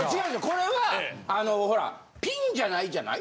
これはあのほらピンじゃないじゃない？